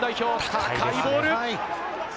高いボール。